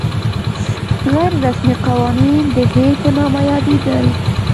غیر رسمي قوانین د هیر په نامه یادېدل.